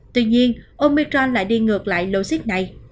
tuy nhiên omicron lại đi ngược lại logic này